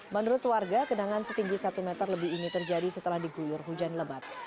menurut warga kenangan setinggi satu meter lebih ini terjadi setelah diguyur hujan lebat